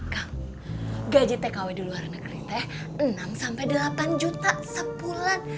kang gaji aku di luar negeri enam delapan juta sebulan